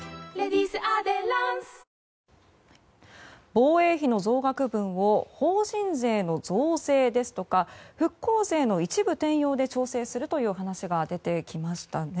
防衛費の増額分を法人税の増税ですとか復興税の一部転用で調整するという話が出てきましたね。